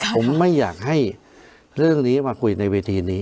ผมไม่อยากให้เรื่องนี้มาคุยในเวทีนี้